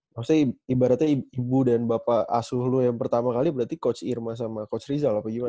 maksudnya ibaratnya ibu dan bapak asuh lu yang pertama kali berarti coach irma sama coach rizal apa gimana